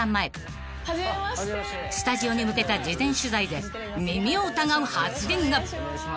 ［スタジオに向けた事前取材で耳を疑う発言が］